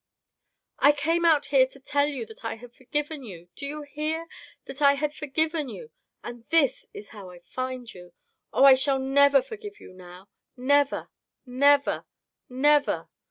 "I came out here to tell yp#that I had for given you. Do you hear ? That I had forgiven you. And this is how I find you. Oh, I shall never forgive you ijpw — never, never, never!